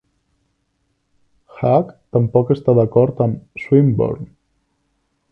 Haack tampoc està d'acord amb Swinburne.